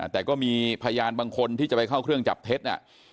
แต่ก็มีพยานบางคนที่จะไปเข้าเครื่องจับเท็จ